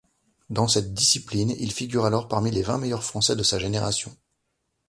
Dans cette discipline, il figure alors parmi les vingt meilleurs français de sa génération.